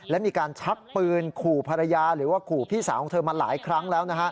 และมีการชักปืนขู่ภรรยาหรือว่าขู่พี่สาวของเธอมาหลายครั้งแล้ว